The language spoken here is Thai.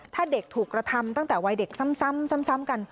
ถ้าเด็กถูกกระทำตั้งแต่วัยเด็กซ้ำกัน